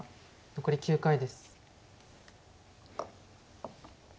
残り９回です。